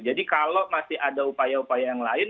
jadi kalau masih ada upaya upaya yang lain